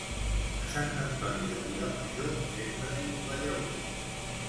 A Sant Antoni de Vilamajor sembra-hi la llavor